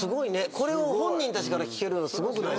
これを本人たちから聞けるのすごくないですか？